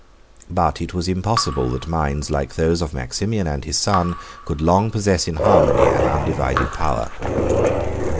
31 But it was impossible that minds like those of Maximian and his son could long possess in harmony an undivided power.